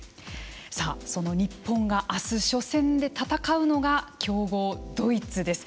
さあ、その日本が明日、初戦で戦うのが強豪ドイツです。